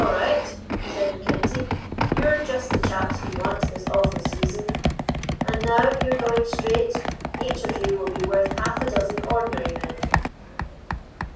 "'All right,' said Mackenzie, 'you're just the chaps we want this awful season; and, now you're going straight, each of you will be worth half a dozen ordinary men.